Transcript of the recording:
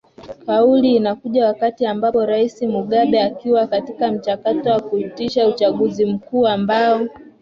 kauli inakuja wakti ambapo rais mugabe akiwa katika mchakato wa kuitisha uchaguzi mkuu ambao